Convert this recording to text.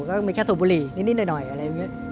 ก็มีแค่สูบบุหรี่นิดหน่อยอะไรอย่างนี้